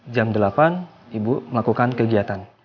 jam delapan ibu melakukan kegiatan